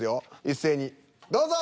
一斉にどうぞ！